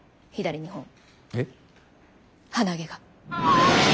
鼻毛が。